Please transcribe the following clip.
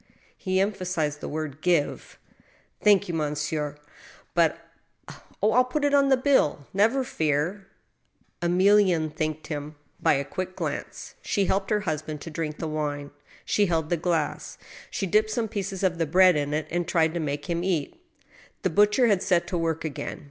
He emphasized the word give, '' Thank you, monsieur, but I —"" Oh, m put it on the bill— never fear !" Emilienne thanked him by a quick glance. She helped her hus 76 THE STEEL HAMMER. band to drink the wine. She held the^ glass. She dipped *some pieces of the bread in it and tried to make him eat. The butcher had set to work again.